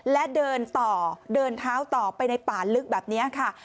และเดินต่อเดินเท้าต่อไปในป่าลึกแบบนี้ค่ะ